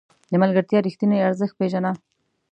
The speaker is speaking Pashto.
د ملګرتیا رښتیني ارزښت پېژنه.